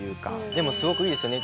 でもすごくいいですよね